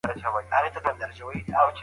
هیڅ هیواد له پلانونو پرته وده نه ده کړې.